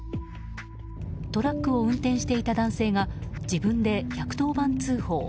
トラックを運転していた男性が自分で１１０番通報。